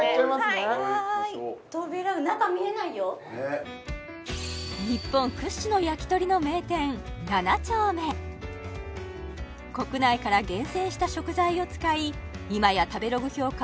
ねえ日本屈指の焼き鳥の名店七鳥目国内から厳選した食材を使い今や食べログ評価